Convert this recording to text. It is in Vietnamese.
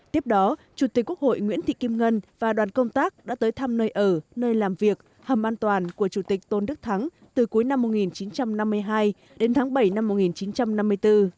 tiếp đó chủ tịch quốc hội nguyễn thị kim ngân và đoàn công tác đã tới thăm nơi ở nơi làm việc hầm an toàn của chủ tịch tôn đức thắng từ cuối năm một nghìn chín trăm năm mươi hai đến tháng bảy năm một nghìn chín trăm năm mươi bốn